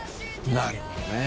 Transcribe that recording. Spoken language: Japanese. なるほどね。